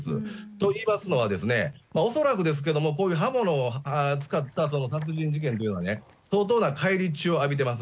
といいますのは、恐らくですけども、こういう刃物を使った殺人事件というのは、相当な返り血を浴びています。